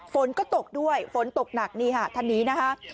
ฝนก็ตกด้วยฝนตกหนักนี่ค่ะท่านนี้นะคะ